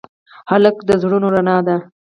هلک د زړونو رڼا ده.